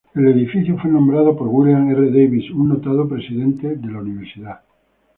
El edificio fue nombrado por William R. Davies, un notado presidente de la universidad.